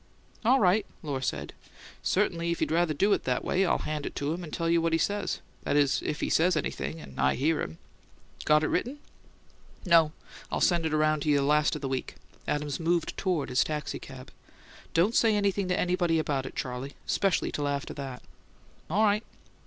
"All right," Lohr said. "Certainly if you'd rather do it that way, I'll hand it to him and tell you what he says; that is, if he says anything and I hear him. Got it written?" "No; I'll send it around to you last of the week." Adams moved toward his taxicab. "Don't say anything to anybody about it, Charley, especially till after that." "All right."